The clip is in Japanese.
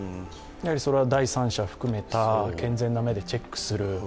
それは第三者を含めた健全な目でチェックする。